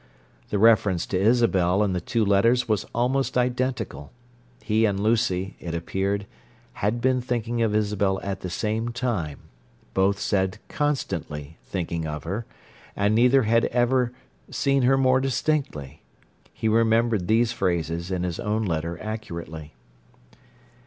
The reference to Isabel in the two letters was almost identical: he and Lucy, it appeared, had been thinking of Isabel at the same time—both said "constantly" thinking of her—and neither had ever "seen her more distinctly." He remembered these phrases in his own letter accurately.